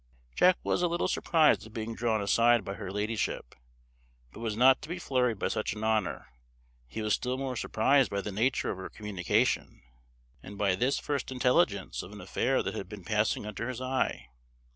Jack was a little surprised at being drawn aside by her ladyship, but was not to be flurried by such an honour: he was still more surprised by the nature of her communication, and by this first intelligence of an affair that had been passing under his eye.